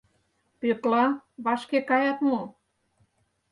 Пӧкла, вашке каят мо?